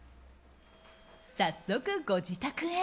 早速ご自宅へ。